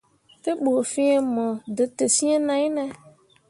Te ɓu fĩĩ mo dǝtǝs̃ǝǝ nai ne ?